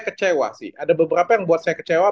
kecewa sih ada beberapa yang buat saya kecewa